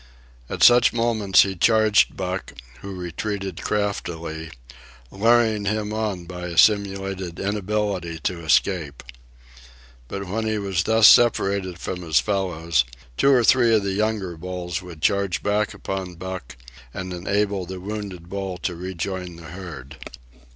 At such moments he charged Buck, who retreated craftily, luring him on by a simulated inability to escape. But when he was thus separated from his fellows, two or three of the younger bulls would charge back upon Buck and enable the wounded bull to rejoin the herd.